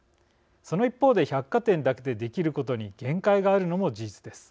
その一方で百貨店だけでできることに限界があるのも事実です。